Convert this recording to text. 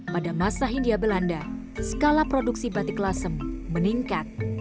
pada masa hindia belanda skala produksi batik lasem meningkat